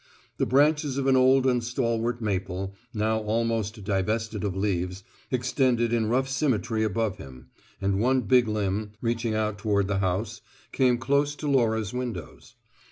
The branches of an old and stalwart maple, now almost divested of leaves, extended in rough symmetry above him, and one big limb, reaching out toward the house, came close to Laura's windows.